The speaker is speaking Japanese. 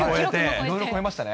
いろいろ超えましたね。